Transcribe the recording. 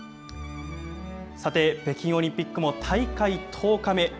さて北京オリンピックも大会１０日目。